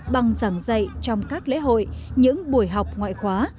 bằng giảng dạy trong các lễ hội những buổi học ngoại khóa